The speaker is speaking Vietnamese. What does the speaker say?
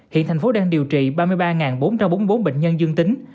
hiện thành phố đang điều trị ba mươi ba bốn trăm bốn mươi bốn bệnh nhân dương tính